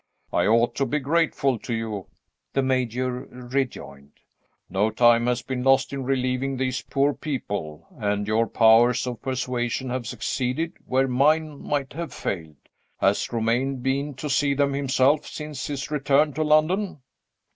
"I ought to be grateful to you," the Major rejoined. "No time has been lost in relieving these poor people and your powers of persuasion have succeeded, where mine might have failed. Has Romayne been to see them himself since his return to London?"